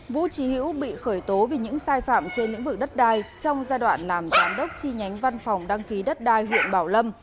vũ trí hữu bị khởi tố vì những sai phạm trên lĩnh vực đất đai trong giai đoạn làm giám đốc chi nhánh văn phòng đăng ký đất đai huyện bảo lâm